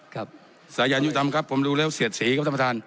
ครับสายอย่างอยู่ตามครับผมรู้แล้วเสียดสีครับท่านประธาน